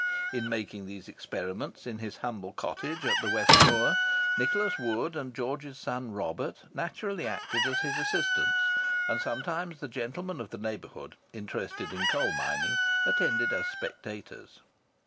In making these experiments in his humble cottage at the West Moor, Nicholas Wood and George's son Robert usually acted as his assistants, and sometimes the gentlemen of the neighbourhood interested in coal mining attended as spectators.